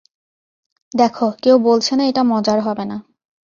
দেখো, কেউ বলছে না এটা মজার হবে না।